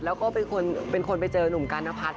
แล้วก็เป็นคนไปเจอหนุ่มกัณพัฒน์